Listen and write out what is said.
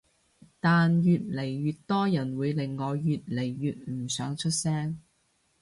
但越嚟越多人會令我越嚟越唔想出聲